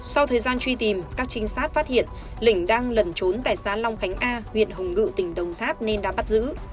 sau thời gian truy tìm các trinh sát phát hiện lĩnh đang lẩn trốn tại xã long khánh a huyện hồng ngự tỉnh đồng tháp nên đã bắt giữ